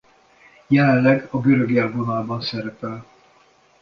Jelenleg a görög élvonalban szerepel.